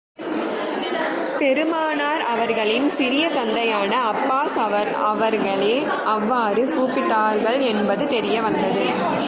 பெருமானார் அவர்களின் சிறிய தந்தையான அப்பாஸ் அவர்களே அவ்வாறு கூப்பிட்டார்கள் என்பது தெரிய வந்தது.